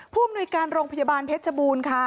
ผู้อำนวยการโรงพยาบาลเพชรบูรณ์ค่ะ